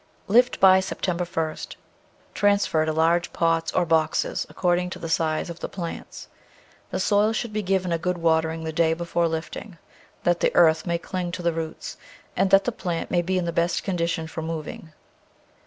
Lift by September ist, transfer to large pots or boxes, according to the size of the plants. The soil should be given a good watering the day before lift ing, that the earth may cling to the roots and that the plant may be in the best condition for moving.